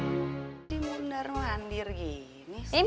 jadi mundar mandir gini sih